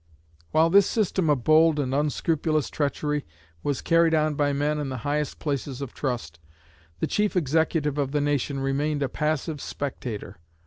While this system of bold and unscrupulous treachery was carried on by men in the highest places of trust, the chief executive of the nation remained a passive spectator.